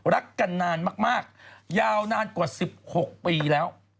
รักกันนานมากยาวนานกว่า๑๖ปีแล้ว